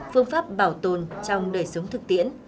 phương pháp bảo tồn trong đời sống thực tiễn